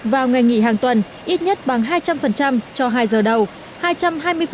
vào ngày nghỉ hàng tuần ít nhất bằng hai trăm linh cho hai giờ đầu